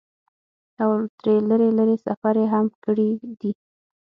او تر لرې لرې سفرې هم کړي دي ۔